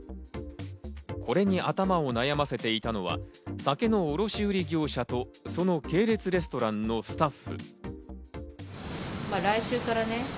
これに頭を悩ませていたのは酒の卸売業者とその系列レストランのスタッフ。